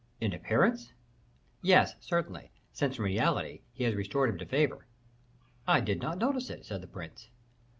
"In appearance?" "Yes, certainly; since, in reality, he has restored him to favor." "I did not notice it," said the prince.